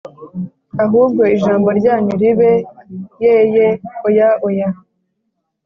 Ahubwo ijambo ryanyu ribe ‘Yee, Yee’, ‘Oya, Oya’,